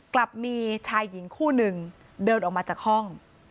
กลับมีชายหญิงคู่หนึ่งเดินออกมาจากห้อง